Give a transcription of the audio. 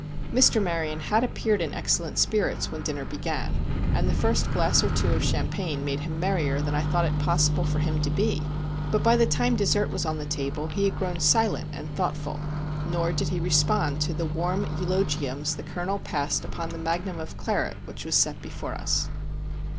Mr. Maryon had appeared in excellent spirits when dinner began, and the first glass or two of champagne made him merrier than I thought it possible for him to be. But by the time the dessert was on the table he had grown silent and thoughtful; nor did he respond to the warm eulogiums the Colonel passed upon the magnum of claret which was set before us.